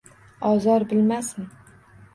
Ozor bilmasin.